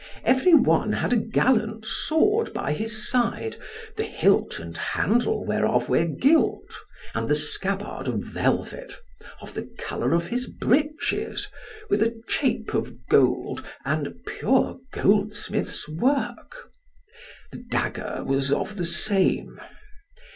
Every one had a gallant sword by his side, the hilt and handle whereof were gilt, and the scabbard of velvet, of the colour of his breeches, with a chape of gold, and pure goldsmith's work. The dagger was of the same.